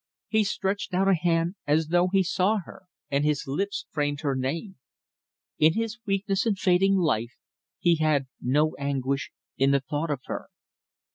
He stretched out a hand as though he saw her, and his lips framed her name. In his weakness and fading life he had no anguish in the thought of her.